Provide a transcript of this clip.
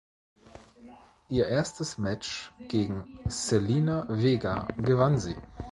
Ihr erstes Match gegen Zelina Vega gewann sie.